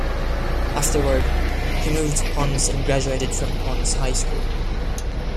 Afterward he moved to Ponce and graduated from Ponce High School.